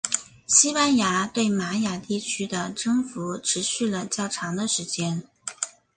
西班牙对玛雅地区的征服持续了较长的时间。